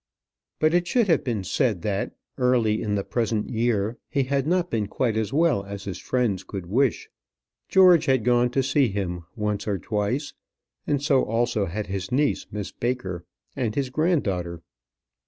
But it should have been said, that early in the present year he had not been quite as well as his friends could wish. George had gone to see him once or twice, and so also had his niece Miss Baker, and his granddaughter.